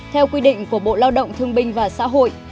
theo quy định của bộ lao động thương binh và xã hội